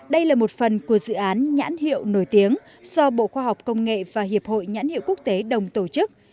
đây là một phần của dự án nhãn hiệu nổi tiếng do bộ khoa học công nghệ và hiệp hội nhãn hiệu quốc tế đồng tổ chức